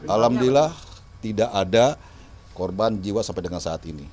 alhamdulillah tidak ada korban jiwa sampai dengan saat ini